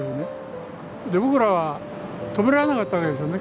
僕らは止められなかったわけですよね